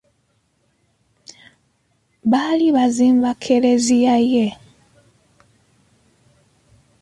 Baali bazimba Klezia ye.